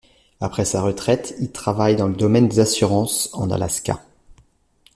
Après sa retraite il travaille dans le domaine des assurances en Alaska.